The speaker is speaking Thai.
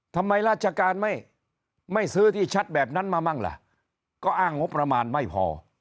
ราชการไม่ซื้อที่ชัดแบบนั้นมามั่งล่ะก็อ้างงบประมาณไม่พอ